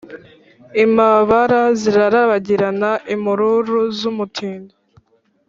I Mabara zirarabagirana.-Impururu z'umutindi.